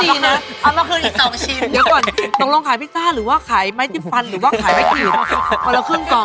เดี๋ยวก่อนโศกลงขายพิซซ่าหรือว่าขายไม้จิบฟันหรือว่าขายไม้กินบอแล้วครึ่งกล่อง